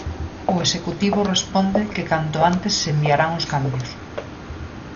O Executivo responde que canto antes se enviarán os cambios.